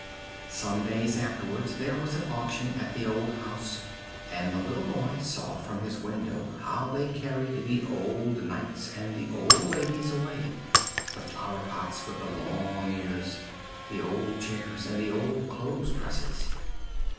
Some days afterwards there was an auction at the old house, and the little boy saw from his window how they carried the old knights and the old ladies away, the flower pots with the long ears, the old chairs, and the old clothes presses.